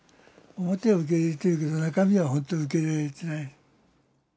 表は受け入れているけど中身は本当は受け入れられてない。